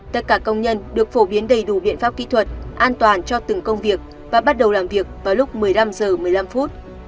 tất cả công nhân được phổ biến đầy đủ biện pháp kỹ thuật an toàn cho từng công việc và bắt đầu làm việc vào lúc một mươi năm h một mươi năm phút